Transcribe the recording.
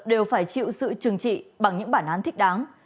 đều phải chịu sự trừng trị bằng những bản án thích đáng